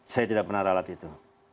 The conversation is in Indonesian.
saya tidak pernah ralat itu